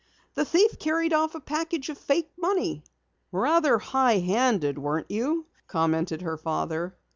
The thief carried off a package of fake money." "Rather high handed weren't you?" commented her father.